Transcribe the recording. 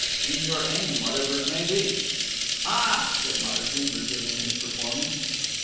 "In your aim, whatever it may be." "Ah!" said Marsden, resuming his performance.